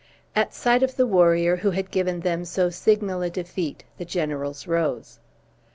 At sight of the warrior who had given them so signal a defeat, the generals rose.